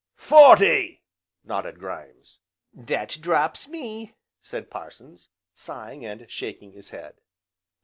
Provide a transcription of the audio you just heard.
"Forty!" nodded Grimes. "That drops me," said Parsons, sighing, and shaking his head.